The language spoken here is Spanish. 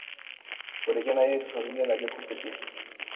Por ello, nadie de su familia la vio competir.